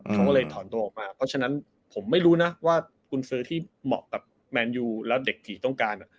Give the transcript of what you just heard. ครูก็เลยถอนตัวออกมาก็ฉะนั้นผมไม่รู้นะกูลเซอร์ที่เหมาะแบบแมนยูแล้วเด็กกี่ต้องการอะ